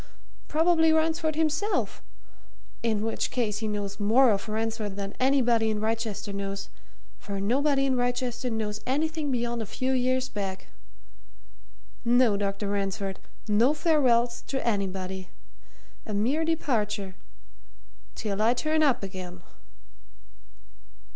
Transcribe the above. Probably Ransford himself in which case he knows more of Ransford than anybody in Wrychester knows for nobody in Wrychester knows anything beyond a few years back. No, Dr. Ransford! no farewells to anybody! A mere departure till I turn up again."